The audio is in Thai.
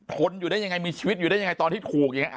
นอยู่ได้ยังไงมีชีวิตอยู่ได้ยังไงตอนที่ถูกอย่างนี้